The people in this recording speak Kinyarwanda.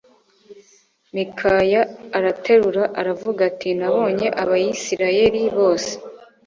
Mikaya araterura aravuga ati Nabonye Abisirayeli bose